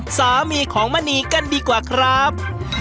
สามีของมณีกันดีกว่าครับ